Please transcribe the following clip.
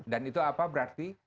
dan itu apa berarti